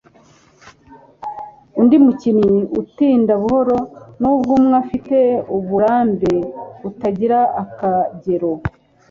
Undi mukinnyi utinda buhoro, nubwo umwe afite uburambe butagira akagero